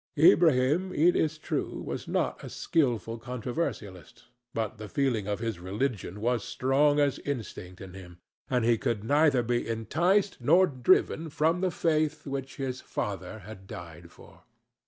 Ilbrahim, it is true, was not a skilful controversialist, but the feeling of his religion was strong as instinct in him, and he could neither be enticed nor driven from the faith which his father had died for.